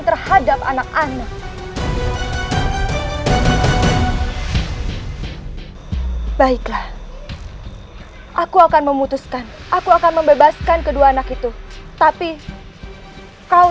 terhadap anak anak baiklah aku akan memutuskan aku akan membebaskan kedua anak itu tapi kau